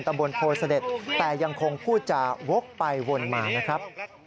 ตำรวจโพเสด็จแต่ยังคงพูดจาวกไปวนมานะครับ